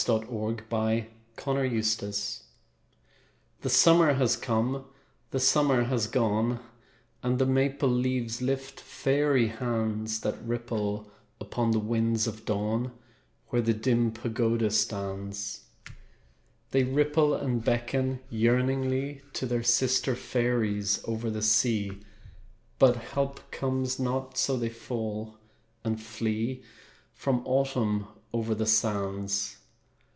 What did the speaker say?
MAPLE LEAVES ON MIYAJIMA The summer has come, The summer has gone, And the maple leaves lift fairy hands That ripple upon the winds of dawn Where the dim pagoda stands. They ripple and beckon yearningly To their sister fairies over the sea, But help comes not, So they fall and flee From Autumn over the sands.